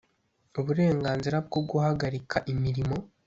uburenganzira bwo guhagarika imirimo